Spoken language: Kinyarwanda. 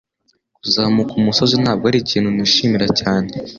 Kuzamuka umusozi ntabwo arikintu nishimira cyane.